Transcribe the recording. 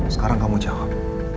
sekarang kamu jawab